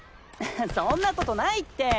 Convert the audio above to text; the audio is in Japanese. そんなことないって！